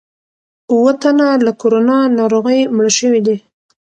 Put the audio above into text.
اووه تنه له کورونا ناروغۍ مړه شوي دي.